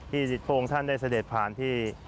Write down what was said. พระองค์ท่านได้เสด็จผ่านที่